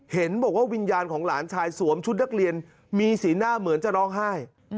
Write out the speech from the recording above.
เห็นบอกว่าวิญญาณของหลานชายสวมชุดนักเรียนมีสีหน้าเหมือนจะร้องไห้